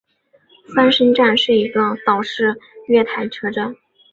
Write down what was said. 翻身站是一个岛式月台车站。